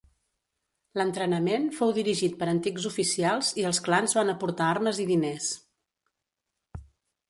L'entrenament fou dirigit per antics oficials i els clans van aportar armes i diners.